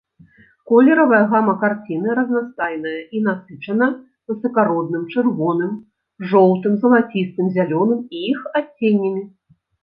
Колеравая гама карціны разнастайная і насычана высакародным чырвоным, жоўтым, залацістым, зялёным і іх адценнямі.